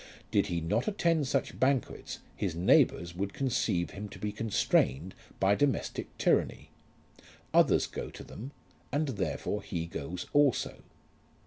Did he not attend such banquets his neighbours would conceive him to be constrained by domestic tyranny. Others go to them, and therefore he goes also.